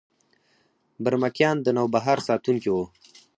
برمکیان د نوبهار ساتونکي وو